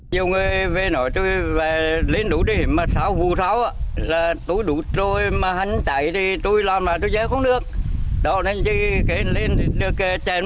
vụ này gia đình ông gieo sáu rào thì hơn một nửa diện tích bị mất trắng không thể thu hoạch ảnh hưởng không nhỏ đến đời sống kinh tế của gia đình